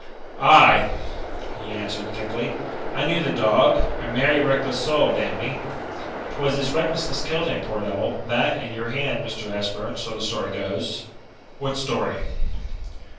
"Aye," he answered thickly. "I knew the dog a merry, reckless soul, d n me. 'Twas his recklessness killed him, poor devil that and your hand, Mr. Ashburn, so the story goes." "What story?"